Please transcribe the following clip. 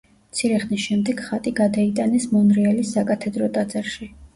მცირე ხნის შემდეგ ხატი გადაიტანეს მონრეალის საკათედრო ტაძარში.